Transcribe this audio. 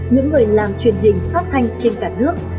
những người làm truyền hình phát thanh trên cả nước